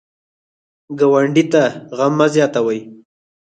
ګاونډي ته غم مه زیاتوئ